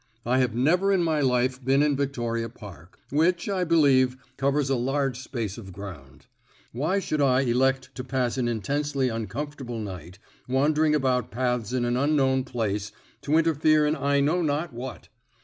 I have never in my life been in Victoria Park, which, I believe, covers a large space of ground. Why should I elect to pass an intensely uncomfortable night, wandering about paths in an unknown place, to interfere in I know not what?